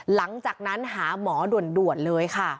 หลังจากนั้นหาหมอด่วนเลยค่ะ